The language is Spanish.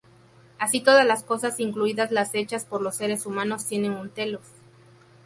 Así todas las cosas, incluidas las hechas por los seres humanos tienen un "telos".